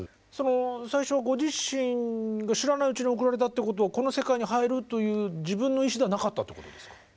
最初ご自身が知らないうちに送られたということはこの世界に入るという自分の意思ではなかったということですか？